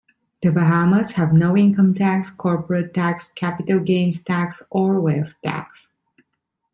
The Bahamas have no income tax, corporate tax, capital gains tax, or wealth tax.